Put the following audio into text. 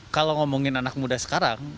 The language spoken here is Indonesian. kalau ngomongin anak muda sekarang